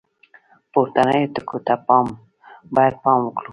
پورتنیو ټکو ته باید پام وکړو.